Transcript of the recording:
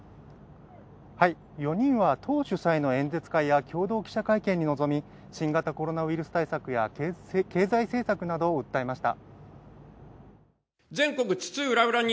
４人は党主催の演説会や共同記者会見に臨み、新型コロナウイルス対策や経済政策などを訴えました。